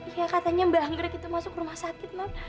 iya katanya mbak anggrek itu masuk rumah sakit non